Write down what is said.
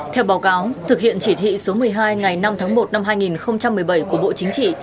theo báo cáo thực hiện chỉ thị số một mươi hai ngày năm tháng một năm hai nghìn một mươi bảy của bộ chính trị